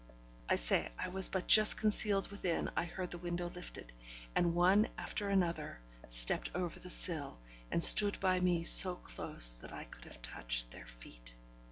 I say, I was but just concealed within I heard the window lifted, and one after another stepped over the sill, and stood by me so close that I could have touched their feet.